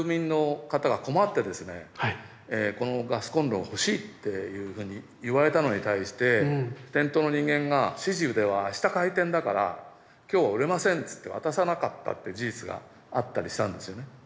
このガスコンロを欲しいっていうふうに言われたのに対して店頭の人間が「指示ではあした開店だから今日は売れません」っつって渡さなかったって事実があったりしたんですよね。